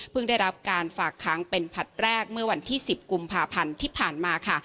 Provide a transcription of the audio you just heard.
ได้รับการฝากค้างเป็นผลัดแรกเมื่อวันที่๑๐กุมภาพันธ์ที่ผ่านมาค่ะ